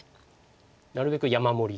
なるべく山盛りに。